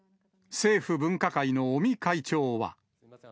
政府分科会の尾身会長は。